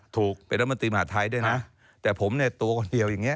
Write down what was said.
ถูกเป็นรัฐมนตรีมหาดไทยด้วยนะแต่ผมเนี่ยตัวคนเดียวอย่างนี้